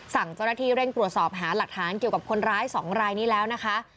สั่งเจ้าหน้าที่เร่งตรวจสอบหาหลักฐานเกี่ยวกับคนร้าย๒รายนี้แล้วนะคะ